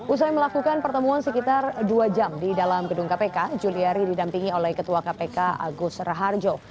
usai melakukan pertemuan sekitar dua jam di dalam gedung kpk juliari didampingi oleh ketua kpk agus raharjo